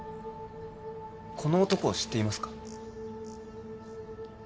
この男を知っていますか？